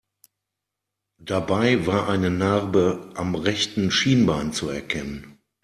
Dabei war eine Narbe am rechten Schienbein zu erkennen.